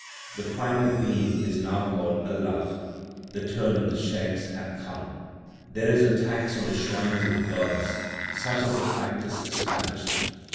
LIFE OF GURU NANAK 117 The Primal Being is now called Allah ; the turn of the Shaikhs hath come. There is a tax on the shrines of the gods ; such is the practice established.